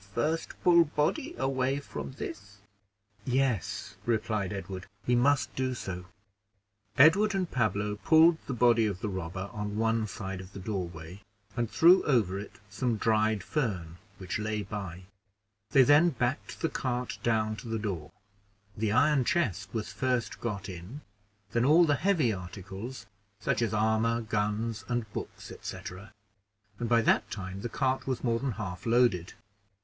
"First pull body away from this." "Yes," replied Edward, "we must do so." Edward and Pablo pulled the body of the robber on one side of the doorway, and threw over it some dried fern which lay by; they then backed the cart down to the door; the iron chest was first got in, then all the heavy articles, such as armor, guns, and books, etc., and by that time the cart was more than half loaded.